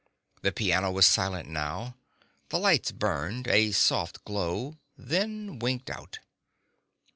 The piano was silent now. The lights burned, a soft glow, then winked out.